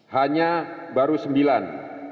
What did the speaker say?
hanya baru sembilan